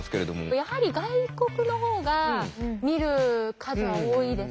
やはり外国のほうが見る数は多いです